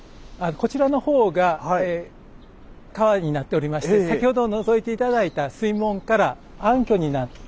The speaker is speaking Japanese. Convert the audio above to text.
こちらの方が川になっておりまして先ほどのぞいて頂いた水門から暗渠になって。